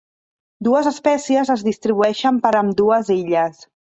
Dues espècies es distribueixen per ambdues illes.